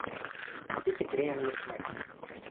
Así se crean los Maquis.